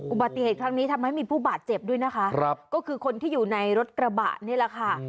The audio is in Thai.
อุบัติเหตุครั้งนี้ทำให้มีผู้บาดเจ็บด้วยนะคะก็คือคนที่อยู่ในรถกระบะนี่แหละค่ะ